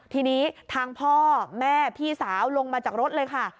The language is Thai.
ทีนี้ทางพ่อแม่พี่สาวลงมาจากรถเลยค่ะ